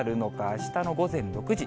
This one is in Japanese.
あしたの午前６時。